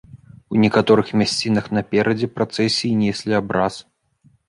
У некаторых мясцінах наперадзе працэсіі неслі абраз.